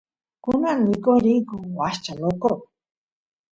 kunan mikoq riyku washcha lokro